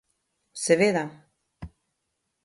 Seveda.